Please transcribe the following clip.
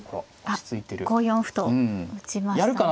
５四歩と打ちましたね。